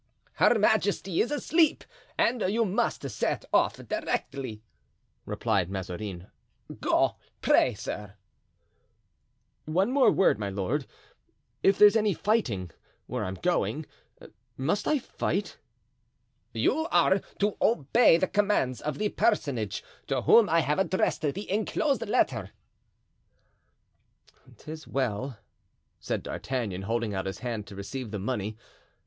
"Her majesty is asleep and you must set off directly," replied Mazarin; "go, pray, sir——" "One word more, my lord; if there's any fighting where I'm going, must I fight?" "You are to obey the commands of the personage to whom I have addressed the inclosed letter." "'Tis well," said D'Artagnan, holding out his hand to receive the money.